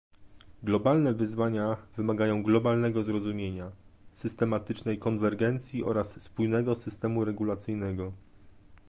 Globalne wyzwania wymagają globalnego zrozumienia, systematycznej konwergencji oraz spójnego systemu regulacyjnego